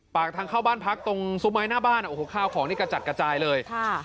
ปากทางเข้าบ้านพักตรงซุ้มไม้หน้าบ้านโอ้โหข้าวของนี่กระจัดกระจายเลยค่ะ